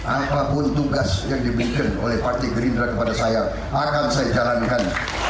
apapun tugas yang diberikan oleh partai gerindra kepada saya akan saya jalankan